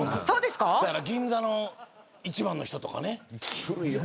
だから銀座の一番の人とかね。